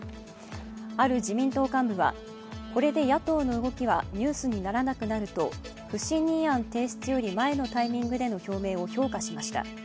ある自民党幹部はこれで野党の動きはニュースにならなくなると不信任案提出より前のタイミングでの表明を評価しました。